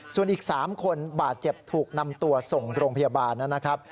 ส่วนอีก๓คนบาดเจ็บถูกนำตัวส่งโรงพยาบาลนะครับ